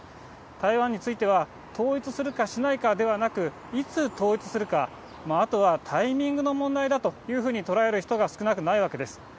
台湾については、統一するかしないかではなく、いつ統一するか、あとはタイミングの問題だというふうに捉える人が少なくないわけです。